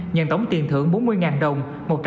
nhận tổng tiền thưởng bốn mươi đồng